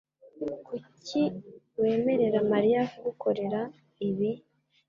Kuki wemerera Mariya kugukorera ibi?